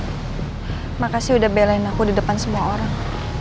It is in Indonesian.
terima kasih sudah membelainya di depan semua orang